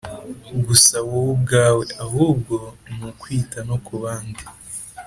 gusa wowe ubwawe ahubwo ni ukwita no ku bandi